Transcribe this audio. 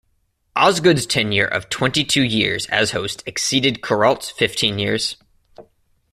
Osgood's tenure of twenty-two years as host exceeded Kuralt's fifteen years.